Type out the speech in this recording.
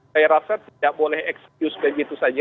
saya rasa tidak boleh excuse begitu saja